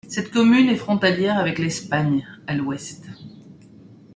Cette commune est frontalière avec l'Espagne à l'ouest.